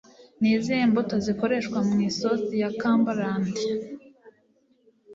Ni izihe mbuto zikoreshwa mu isosi ya Cumberland?